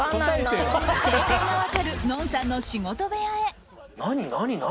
正解が分かるＮＯＮさんの仕事部屋へ。